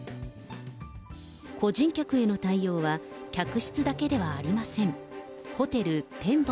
個人客への対応は、客室だけではありません。